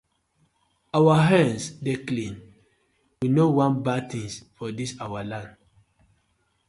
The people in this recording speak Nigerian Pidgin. Our hands dey clean, we no wan bad tinz for dis our clan.